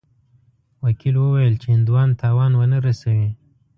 وکیل وویل چې هندوان تاوان ونه رسوي.